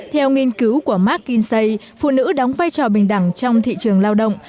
theo nghiên cứu của mark kinsey phụ nữ đóng vai trò bình đẳng trong thị trường lao động